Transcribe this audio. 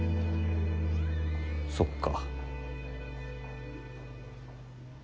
そっか。